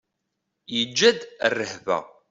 Yeǧǧa-d rrehba.